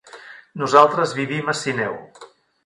Nosaltres vivim a Sineu.